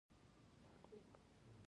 محمود راقي ښار کوچنی دی؟